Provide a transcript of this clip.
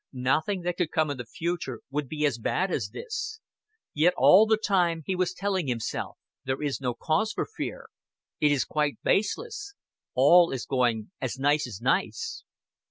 Nothing that could come in the future would be as bad as this. Yet all the time he was telling himself, "There is no cause for the fear. It is quite baseless. All is going as nice as nice."